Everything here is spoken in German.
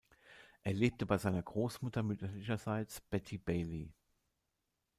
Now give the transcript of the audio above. Er lebte bei seiner Großmutter mütterlicherseits, Betty Bailey.